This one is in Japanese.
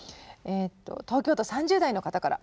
東京都３０代の方から。